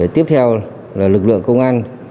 tiếp theo là lực lượng công an